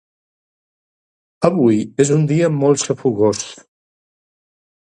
Avui és un dia molt xafogós